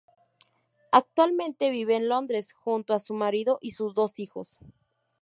Actualmente vive en Londres junto a su marido y sus dos hijos.